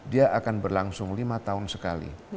dia akan berlangsung lima tahun sekali